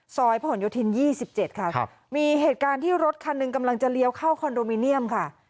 ซอยพย๒๗มีเหตุการณ์ที่รถคันหนึ่งกำลังจะเลี้ยวเข้าคอนโดมิเนียม